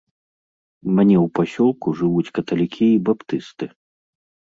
У мяне ў пасёлку жывуць каталікі і баптысты.